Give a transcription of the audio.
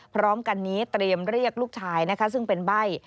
พร้อมกันนี้เตรียมเรียกลูกชายนะคะซึ่งเป็นใบ้